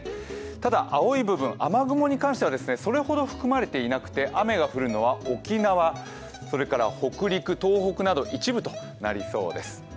ただ青い部分、雨雲に関してはそれほど含まれていなくて雨が降るのは沖縄、北陸、東北など、一部となりそうです。